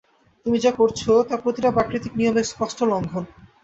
তুমি যা করছো তা প্রতিটা প্রাকৃতিক নিয়মের স্পষ্ট লঙ্ঘন।